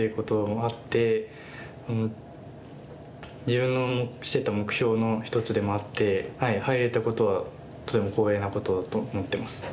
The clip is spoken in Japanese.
自分のしてた目標の一つでもあって入れたことはとても光栄なことだと思ってます。